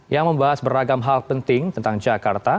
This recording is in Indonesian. yang membahas beragam hal penting tentang jakarta